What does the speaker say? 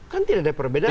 kan tidak ada perbedaan